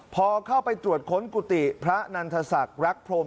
พอเข้าไปตรวจค้นกุฏิพระนันทศักดิ์รักพรม